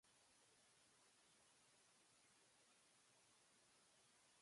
朝の光がカーテンの隙間から静かに差し込んだ。